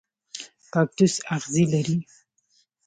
کاکتوس اغزي لري